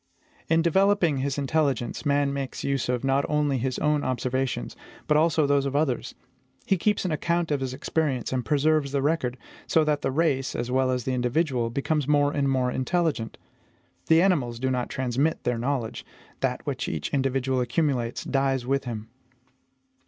In developing his intelligence, man makes use of not only his own observations, but also those of others. He keeps an account of his experience, and preserves the record; so that the race, as well as the individual, becomes more and more intelligent. The animals do not transmit their knowledge; that which each individual accumulates dies with him.